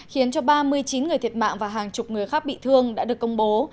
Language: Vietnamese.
khiến cho ba mươi chín người thiệt mạng và hàng chục người khác bị thương đã được công bố